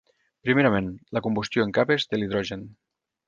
Primerament, la combustió en capes de l'hidrogen.